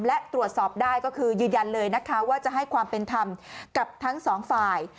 และตรวจสอบได้ก็คือยืนยันเลยนะคะว่าจะให้ความเป็นธรรมกับทั้งสองฝ่าย